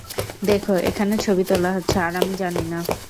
দেখ, এখানে ছবি তোলা হচ্ছে, আর আমি জানি না।